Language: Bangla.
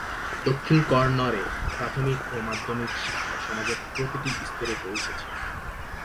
দক্ষিণ কন্নড়-এ প্রাথমিক ও মাধ্যমিক শিক্ষা সমাজের প্রতিটি স্তরে পৌঁছেছে।